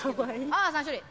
ああ３種類。